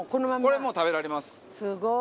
これもう食べられます。